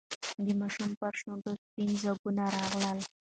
د ماشوم پر شونډو سپین ځگونه راغلل.